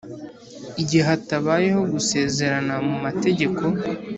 igihe hatabayeho gusezerana mu mategeko,